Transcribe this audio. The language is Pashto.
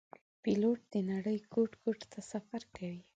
پیلوټ د نړۍ ګوټ ګوټ ته سفر کوي.